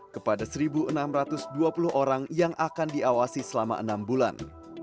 kepada satu enam ratus dua puluh orang yang akan diawasi selama enam bulan